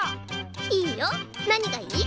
いいよ何がいい？